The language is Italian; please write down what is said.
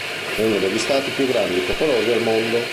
È uno degli stati più grandi e popolosi al mondo.